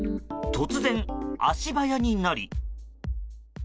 突然、足早になり。